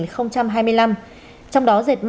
trong đó dệt may là ngành công tác